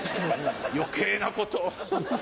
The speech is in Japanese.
余計なことを。